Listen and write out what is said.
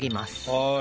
はい。